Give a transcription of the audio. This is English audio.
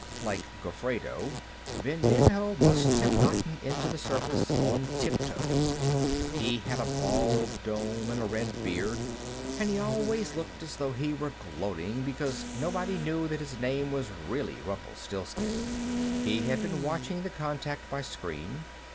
Like Gofredo, Vindinho must have gotten into the Service on tiptoe; he had a bald dome and a red beard, and he always looked as though he were gloating because nobody knew that his name was really Rumplestiltskin. He had been watching the contact by screen.